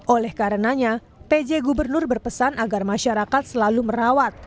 oleh karenanya pj gubernur berpesan agar masyarakat selalu merawat